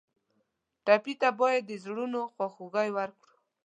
ټپي ته باید د زړونو خواخوږي ورکړو.